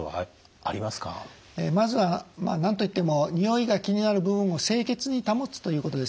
まずは何と言ってもにおいが気になる部分を清潔に保つということですね。